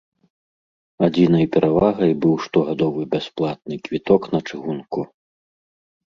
Адзінай перавагай быў штогадовы бясплатны квіток на чыгунку.